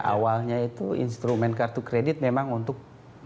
awalnya itu instrumen kartu kredit memang untuk